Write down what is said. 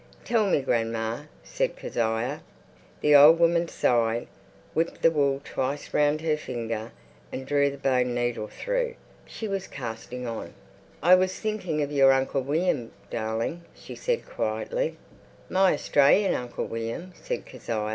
"Tell me, grandma," said Kezia. The old woman sighed, whipped the wool twice round her thumb, and drew the bone needle through. She was casting on. "I was thinking of your Uncle William, darling," she said quietly. "My Australian Uncle William?" said Kezia.